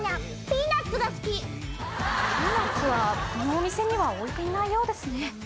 ピーナツはこのお店には置いていないようですね。